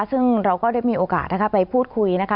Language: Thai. ซึ่งเราก็ได้มีโอกาสนะคะไปพูดคุยนะคะ